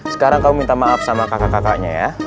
sekarang kamu minta maaf sama kakak kakaknya ya